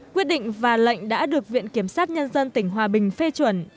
quyết định và lệnh đã được viện kiểm sát nhân dân tỉnh hòa bình phê chuẩn